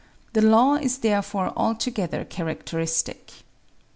The law is therefore altogether charadteristic.